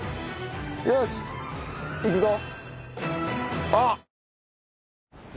よしいくぞ。